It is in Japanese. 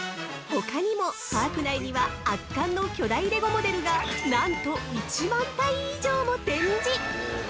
◆ほかにも、パーク内には圧巻の巨大レゴモデルがなんと１万体以上も展示。